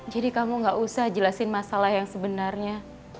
jadi kamu gak usah jelasin masalah yang sebenarnya